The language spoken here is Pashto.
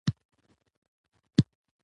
د ارګ پر ځای ملل متحد ته ولې لاړ،